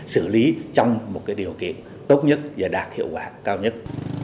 xử lý trong một điều kiện tốt nhất và đạt hiệu quả cao nhất